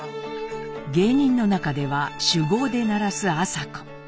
芸人の中では酒豪でならす麻子。